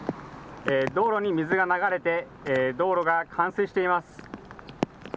道路に水が流れて道路が冠水しています。